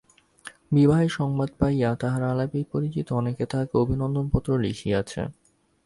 বিবাহের সংবাদ পাইয়া তাহার আলাপী পরিচিত অনেকে তাহাকে অভিনন্দন-পত্র লিখিয়াছে।